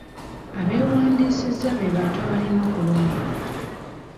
Abeewandisiza be bantu abalina okulonda.